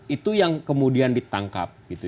itu yang kemudian ditangkap